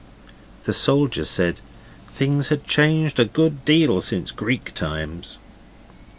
The soldier said things had changed a good deal since Greek times.